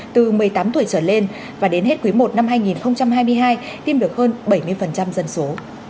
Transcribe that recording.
từ một mươi tám tuổi trở lên và đến hết quý i năm hai nghìn hai mươi hai tiêm được hơn bảy mươi dân số